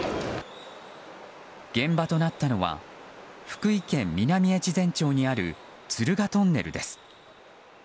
現場となったのは福井県南越前町にある敦賀トンネルです。